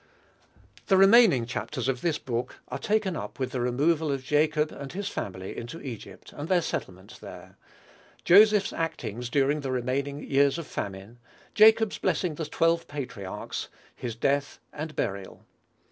The remaining chapters of this book are taken up with the removal of Jacob and his family into Egypt, and their settlement there; Joseph's actings during the remaining years of famine; Jacob's blessing the twelve patriarchs; his death and burial.